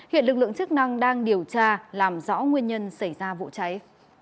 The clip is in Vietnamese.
hiện lực lượng chức năng đang điều tra làm rõ nguyên nhân xảy ra vụ cháy